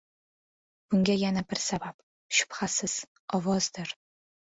Bunga yana bir sabab, shubhasiz, ovozdir.